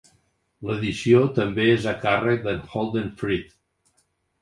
L'edició també és a càrrec d'en Holden Frith.